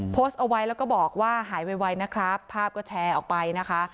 โพสต์เอาไว้แล้วก็บอกว่าหายไวนะครับภาพก็แชร์ออกไปนะคะ